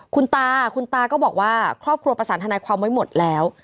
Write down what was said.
คุณตาคุณตาก็บอกว่าครอบครัวประสานทนายความไว้หมดแล้ว